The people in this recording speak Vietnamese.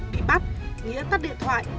bị bắt nghĩa tắt điện thoại